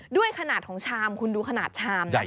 ด้วยขนาดของชามคุณดูขนาดชามนะคะ